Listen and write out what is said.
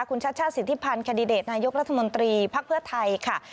คุณชัชชาติสิทธิพันธ์แคนดิเดตนายกรัฐมนตรีภักดิ์เพื่อไทยค่ะ